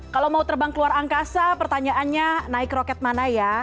kalau mau terbang keluar angkasa pertanyaannya naik roket mana ya